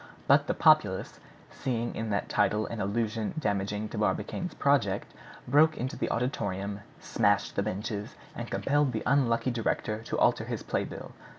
But the populace, seeing in that title an allusion damaging to Barbicane's project, broke into the auditorium, smashed the benches, and compelled the unlucky director to alter his playbill.